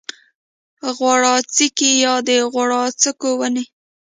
غوړاڅکی یا د غوړاڅکو ونې